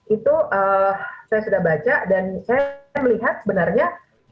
itu saya sudah baca dan saya melihat sebenarnya